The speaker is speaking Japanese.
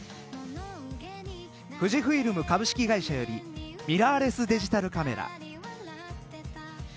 富士フイルム株式会社よりミラーレスデジタルカメラ。